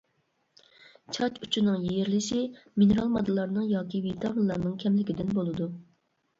چاچ ئۇچىنىڭ يېرىلىشى-مىنېرال ماددىلارنىڭ ياكى ۋىتامىنلارنىڭ كەملىكىدىن بولىدۇ.